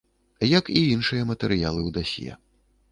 Як і іншыя матэрыялы ў дасье.